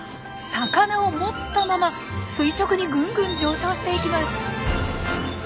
魚を持ったまま垂直にグングン上昇していきます。